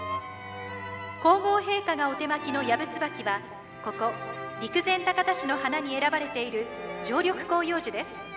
皇后陛下がお手播きのヤブツバキはここ陸前高田市の花に選ばれている常緑広葉樹です。